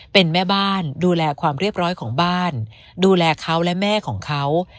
เป็นแม่บ้านดูแลความเรียบร้อยของบ้านดูแลเขาและแม่ของเขา